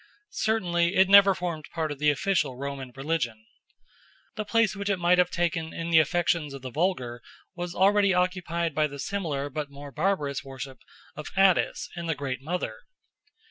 Certainly it never formed part of the official Roman religion. The place which it might have taken in the affections of the vulgar was already occupied by the similar but more barbarous worship of Attis and the Great Mother.